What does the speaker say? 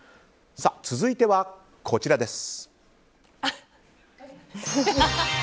続いては、こちらです。